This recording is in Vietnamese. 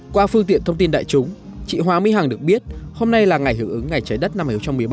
qua phương tiện thông tin đại chúng chị hóa minh hằng được biết hôm nay là ngày hưởng ứng ngày trái đất năm hai nghìn một mươi bảy